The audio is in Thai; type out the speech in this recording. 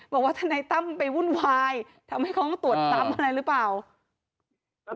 ทนายตั้มไปวุ่นวายทำให้เขาตรวจซ้ำอะไรหรือเปล่า